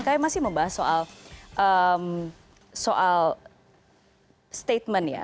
kami masih membahas soal statement ya